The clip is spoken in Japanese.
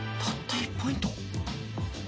１ポイント？